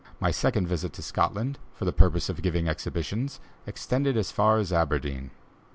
My second visit to Scotland, for the purpose of giving exhibitions, extended as far as Aberdeen.